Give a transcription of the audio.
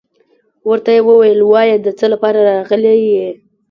ورته يې ويل وايه دڅه لپاره راغلى يي.